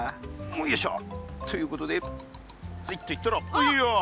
よいしょということでズイッといったらエイヤー！